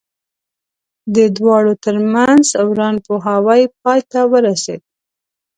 د دواړو ترمنځ ورانپوهاوی پای ته ورسېد.